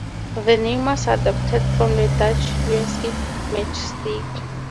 The name was adapted from the Dutch "lontstok", "match stick".